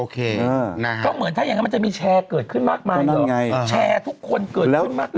ก็เหมือนถ้าอย่างนั้นมันจะมีแชร์เกิดขึ้นมากมายเลยแชร์ทุกคนเกิดขึ้นมากเลย